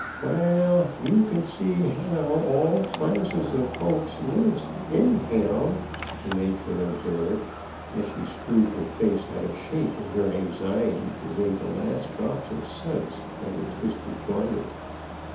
"Wall, yer kin see haow all classes of folks lives eny haow," the matron observed, as she screwed her face out of shape in her anxiety to wring the last drop of suds out of a twisted garment.